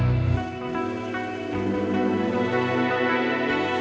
aku instra di jiangwushihr waiting room